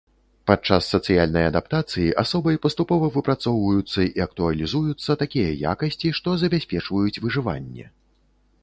Падчас сацыяльнай адаптацыі асобай паступова выпрацоўваюцца і актуалізуюцца такія якасці, што забяспечваюць выжыванне.